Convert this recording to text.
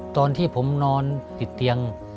ตอนที่ผมนอนติดเตียง